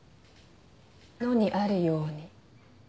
野にあるように。